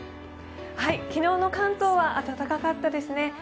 昨日の関東は暖かかったですね。